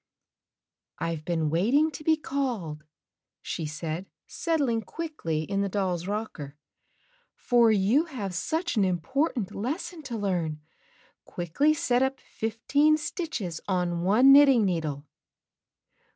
"I've been waiting to be called," she said set thng quickly in the doll's rocker, "for you have such an important lesson to learn. Quickly set up fifteen stitches on one knitting needle."